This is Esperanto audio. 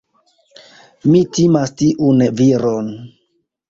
Mi timas tiun viron.